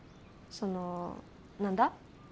その何だ？